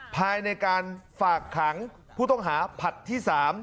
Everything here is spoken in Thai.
ภายในการฝากขังผู้ต้องหาผัดที่๓